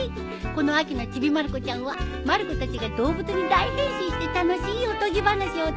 この秋の『ちびまる子ちゃん』はまる子たちが動物に大変身して楽しいおとぎ話をお届けするよ。